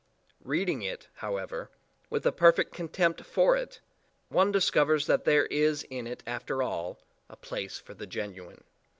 Reading it, however, with a perfect contempt for it, one discovers that there is in it after all, a place for the genuine.